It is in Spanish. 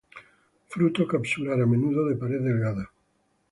Fruto capsular, a menudo de pared delgada.